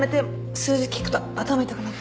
数字聞くと頭痛くなっちゃう。